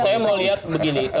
saya mau lihat begini